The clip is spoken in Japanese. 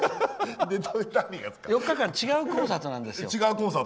４日間、違うコンサートなんです。